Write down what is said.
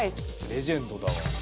レジェンドだわ。